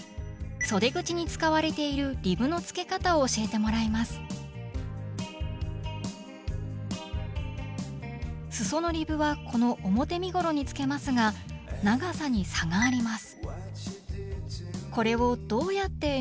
そで口に使われているリブのつけ方を教えてもらいますすそのリブはこの表身ごろにつけますが長さに差があります。